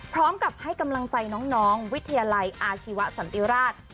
พร้อมกับให้กำลังใจน้องวิทยาลัยอาชีวสันติราช